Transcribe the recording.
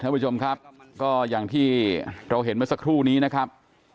ท่านผู้ชมครับก็อย่างที่เราเห็นเมื่อสักครู่นี้นะครับ